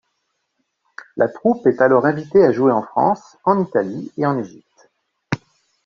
La troupe est alors invitée à jouer en France, en Italie et en Égypte.